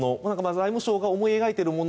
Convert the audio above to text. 財務省が思い描いているもの